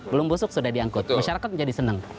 belum busuk sudah diangkut masyarakat menjadi senang